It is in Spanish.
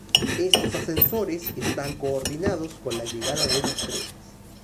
Estos ascensores están coordinados con la llegada de los trenes.